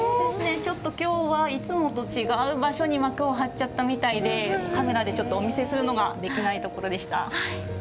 ちょっと今日はいつもと違う場所に膜を張っちゃったみたいでカメラでちょっとお見せするのができない所でした。